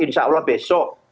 insya allah besok